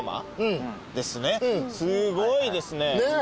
すごいですね後ろ。